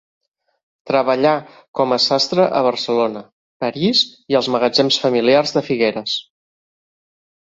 Treballà com a sastre a Barcelona, París i als magatzems familiars de Figueres.